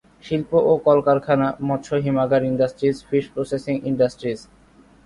শিল্প ও কলকারখানা মৎস হিমাগার ইন্ডাস্ট্রিজ, ফিস প্রসেসিং ইন্ডাস্ট্রিজ।